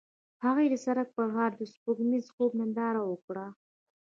هغوی د سړک پر غاړه د سپوږمیز خوب ننداره وکړه.